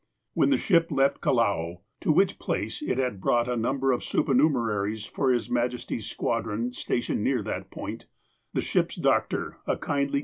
When the ship left Callao, to which place it had brought a number of supernumeraries for Her Majesty's squadron stationed near that point, the ship's doctor, a kindly.